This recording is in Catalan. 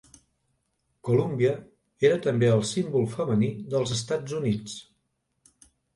Columbia era també el símbol femení dels Estats Units.